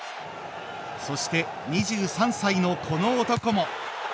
そして、２３歳のこの男も。